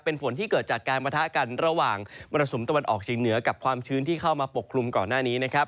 เป็นฝนที่เกิดจากการประทะกันระหว่างมรสุมตะวันออกเชียงเหนือกับความชื้นที่เข้ามาปกคลุมก่อนหน้านี้นะครับ